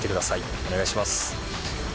お願いします。